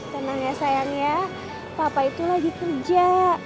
tenang ya sayang ya papa itu lagi kerja